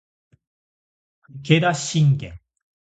武田信玄